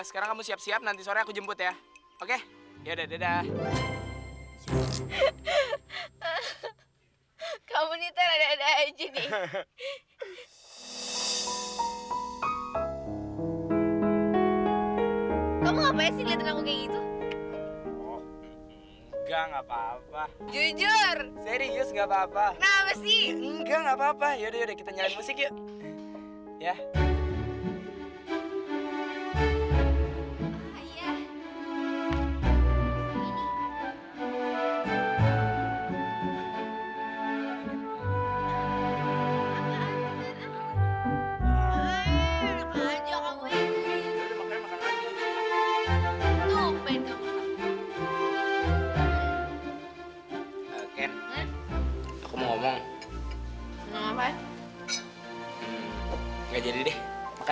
sampai jumpa di video selanjutnya